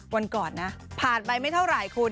วันก่อนนะผ่านไปไม่เท่าไหร่คุณ